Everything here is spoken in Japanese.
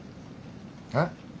えっ？